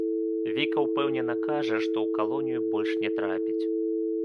Віка ўпэўнена кажа, што ў калонію больш не трапіць.